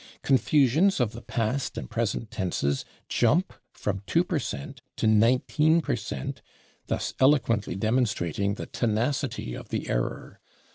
Confusions of the past and present tenses jump from 2 per cent to 19 per cent, thus eloquently demonstrating the tenacity of the error.